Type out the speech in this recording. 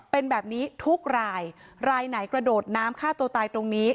เป็นแบบนี้ทุกรายรายไหนกระโดดน้ำฆ่าตัวตายตรงนี้